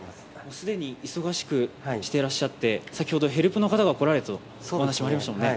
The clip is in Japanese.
既に忙しくしていらっしゃって、先ほど、ヘルプの方も来られたとお話ありましたね。